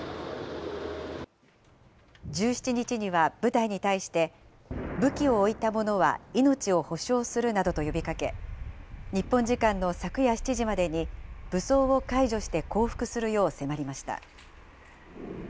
１７日には部隊に対して、武器を置いた者は命を保証するなどと呼びかけ、日本時間の昨夜７時までに武装を解除して降伏するよう迫りました。